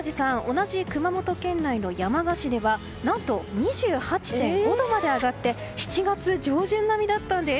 同じ熊本県内の山鹿市では何と２８．５度まで上がって７月上旬並みだったんです。